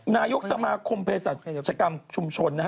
นายกสมาคมเพศกรรมชุมชนนะครับ